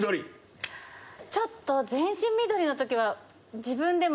ちょっと全身緑の時は。